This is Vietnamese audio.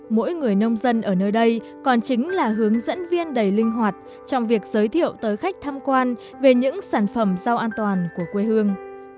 mỗi người nông dân ở nơi đây còn chính là hướng dẫn viên đầy linh hoạt trong việc giới thiệu tới khách tham quan về những sản phẩm rau an toàn của quê hương